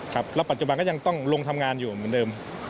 ครับแล้วปัจจุบันก็ยังต้องลงทำงานอยู่เหมือนเดิม